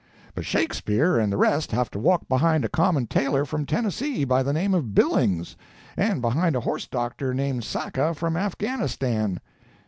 But Shakespeare and the rest have to walk behind a common tailor from Tennessee, by the name of Billings; and behind a horse doctor named Sakka, from Afghanistan.